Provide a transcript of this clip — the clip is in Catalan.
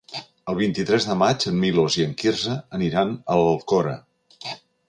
El vint-i-tres de maig en Milos i en Quirze aniran a l'Alcora.